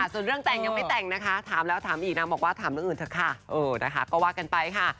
ส่วนเรื่องแต่งยังไม่แต่งนะคะถามแล้วถามอีกนางบอกว่าถามเรื่องอื่นเถอะค่ะนะคะก็ว่ากันไปค่ะ